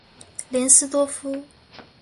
林斯多夫。